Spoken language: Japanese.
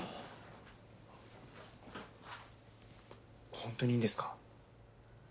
本当にいいんですか？